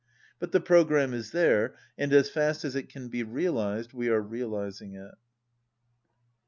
But the pro gramme is there, and as fast as it can be realized we are realizing it."